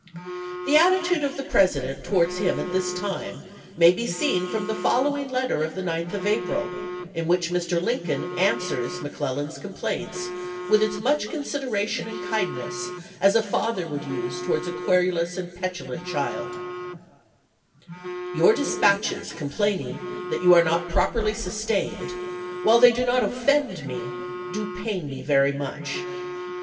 The attitude of the President towards him at this time may be seen from the following letter of the 9th of April, in which Mr. Lincoln answers McClel lan's complaints with as much consideration and kindness as a father would use towards a querulous and petulant child : Your dispatches complaining that you are not properly sustained, while they do not offend me, do pain me very much.